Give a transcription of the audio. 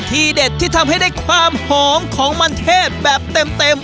ที่เด็ดที่ทำให้ได้ความหอมของมันเทศแบบเต็ม